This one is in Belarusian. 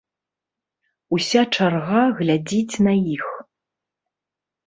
Уся чарга глядзіць на іх.